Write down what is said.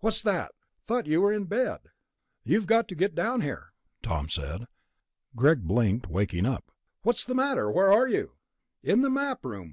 "What's that? Thought you were in bed...." "You've got to get down here," Tom said. Greg blinked, waking up. "What's the matter? Where are you?" "In the Map Room.